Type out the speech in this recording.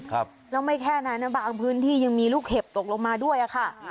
ครับแล้วไม่แค่นั้นนะบางพื้นที่ยังมีลูกเห็บตกลงมาด้วยอ่ะค่ะ